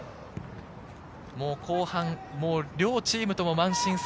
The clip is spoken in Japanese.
後半、両チームとも満身創痍。